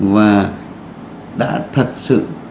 và đã thật sự